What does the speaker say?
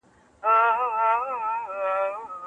ترڅو زموږ خپلې جامي دلته تولید سي.